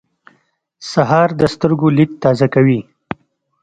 سهار د سترګو لید تازه کوي.